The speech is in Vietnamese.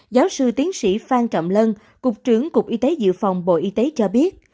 giáo sư tiến sĩ phan trọng lân cục trưởng cục y tế dự phòng bộ y tế cho biết